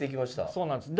そうなんです。